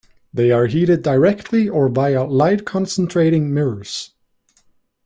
They are heated directly or via light-concentrating mirrors.